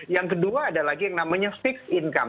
yang kedua ada lagi yang namanya fixed income